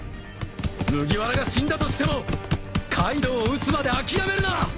麦わらが死んだとしてもカイドウを討つまで諦めるな！